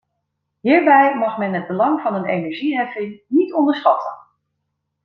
Hierbij mag men het belang van een energieheffing niet onderschatten.